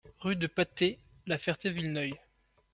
Rue de Patay, La Ferté-Villeneuil